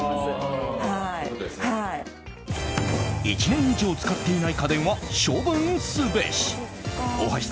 １年以上使っていない家電は処分すべし。